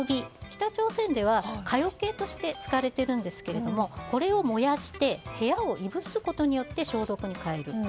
北朝鮮では、蚊よけとして使われているんですがこれを燃やして部屋をいぶすことによって消毒に代える。